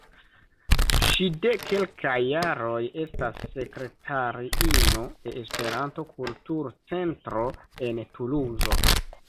Ŝi de kelkaj jaroj estas sekretariino de Esperanto-Kultur-Centro en Tuluzo.